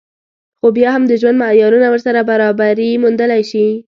خو بيا هم د ژوند معيارونه ورسره برابري موندلی شي